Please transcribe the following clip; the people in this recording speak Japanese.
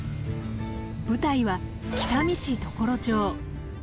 舞台は北見市常呂町。